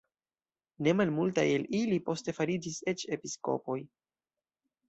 Ne malmultaj el ili poste fariĝis eĉ episkopoj.